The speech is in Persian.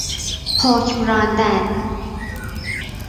حکم راندن